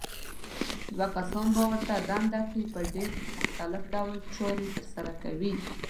دوه کسان په ورته دنده کې په ډېر مختلف ډول چارې ترسره کوي.